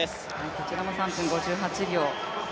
こちらも３分５８秒。